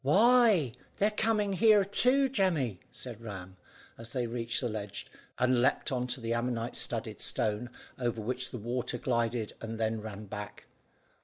"Why, they're coming here too, Jemmy," said Ram, as they reached the ledge, and leaped on to the ammonite studded stone, over which the water glided and then ran back.